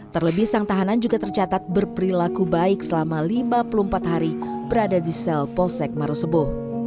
terlebih sang tahanan juga tercatat berperilaku baik selama lima puluh empat hari berada di sel polsek marosebo